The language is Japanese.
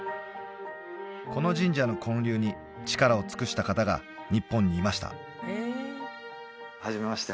この神社の建立に力を尽くした方が日本にいましたはじめまして